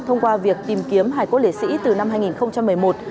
thông qua việc tìm kiếm hải cốt lễ sĩ từ năm hai nghìn một mươi một